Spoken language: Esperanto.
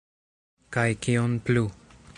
Kaj kion plu?